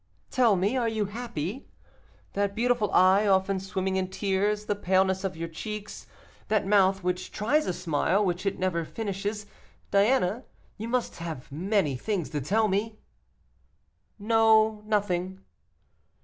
"Tell me, are you happy? That beautiful eye often swimming in tears, the paleness of your cheeks, that mouth which tries a smile which it never finishes Diana, you must have many things to tell me." "No, nothing."